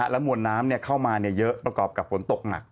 และมวลน้ำเข้ามาเยอะประกอบกับฝนตกหนัก